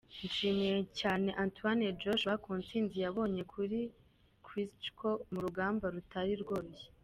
Nshimiye cyane Anthony Joshua ku ntsinzi yabonye kuri Klitschko mu rugamba rutari rworoshye.